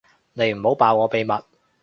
你唔好爆我秘密